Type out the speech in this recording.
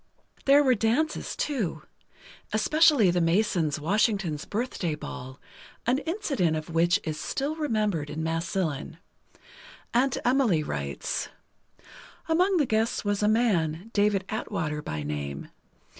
There were dances, too. Especially the Masons' Washington's Birthday Ball, an incident of which is still remembered in Massillon. Aunt Emily writes: Among the guests was a man, David Atwater by name.